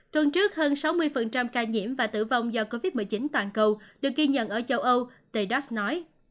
tuần trước hơn sáu mươi ca nhiễm và tử vong do covid một mươi chín toàn cầu được ghi nhận ở châu âu tây dos nói